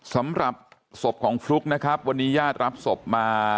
สำหรับศพของฟลุ๊กนะครับวันนี้ญาติรับศพมา